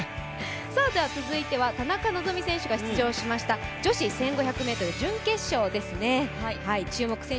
続いては田中希実選手が出場しました女子１５００ｍ準決勝です。